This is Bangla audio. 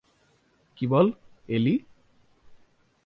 কী বল, এলী?